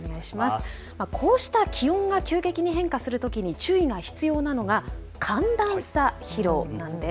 こうした気温が急激に変化するときに注意が必要なのが寒暖差疲労なんです。